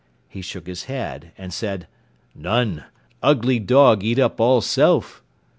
He shook his head, and said, "None; ugly dog eat all up self."